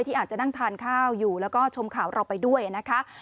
อาจจะนั่งทานข้าวอยู่แล้วก็ชมข่าวเราไปด้วยนะคะ